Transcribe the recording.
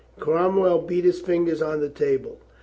Cromwell beat his fingers on the table.